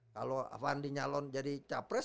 kalau van dinyalon jadi capres